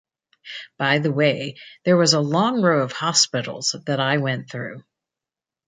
By the way, there was a long row of hospitals that I went through.